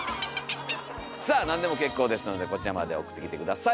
さあ何でも結構ですのでこちらまで送ってきて下さい。